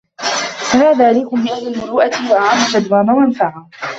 فَهَذَا أَلْيَقُ بِأَهْلِ الْمُرُوءَةِ وَأَعَمُّ جَدْوَى وَمَنْفَعَةً